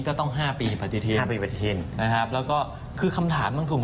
ก็ต้อง๕ปีปัจจิทินส์นะครับแล้วก็คือคำถามนั่งจะถือ